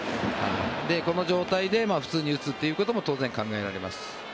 この状態で普通に打つことも当然考えられます。